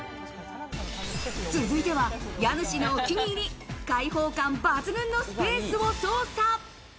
続いては家主のお気に入り、開放感抜群のスペースを捜査。